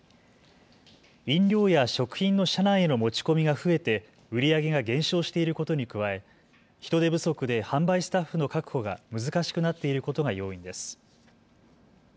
飲料や食品の車内への持ち込みが増えて売り上げが減少していることに加え人手不足で販売スタッフの確保が難しくなっていることが要因です。